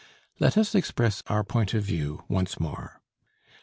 Let us express our point of view once more.